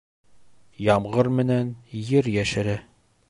Ямғыр менән ер йәшәрә